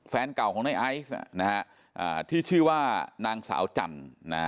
แฟนเก่าของในไอซ์ที่ชื่อว่านางสาวจันทร์นะฮะ